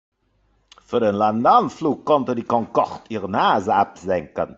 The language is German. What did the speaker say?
Für den Landeanflug konnte die Concorde ihre Nase absenken.